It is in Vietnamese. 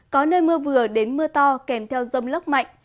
có nơi mưa vừa đến mưa to kèm theo rông lốc mạnh